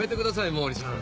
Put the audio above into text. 毛利さん。